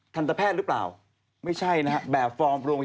ทันตแพทย์หรือเปล่าไม่ใช่นะฮะแบบฟอร์มโรง